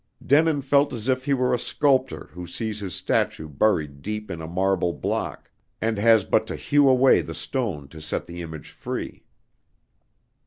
Denin felt as if he were a sculptor who sees his statue buried deep in a marble block, and has but to hew away the stone to set the image free.